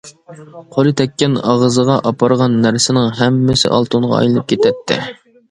قولى تەككەن، ئاغزىغا ئاپارغان نەرسىنىڭ ھەممىسى ئالتۇنغا ئايلىنىپ كېتەتتى.